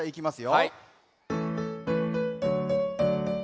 はい。